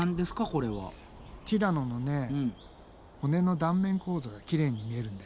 ティラノのね骨の断面構造がきれいに見えるんだよね。